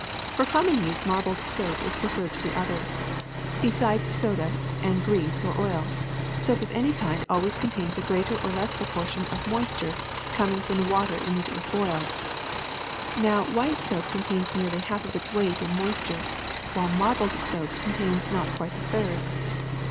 For common use marbled soap is preferable to the other. Be sides soda and grease or oil, soap of any kind always contains a greater or less proportion of moisture coming from the water in which it was boiled. Now, white soap contains nearly half of its weight in moisture, while marbled soap contains not quite a third.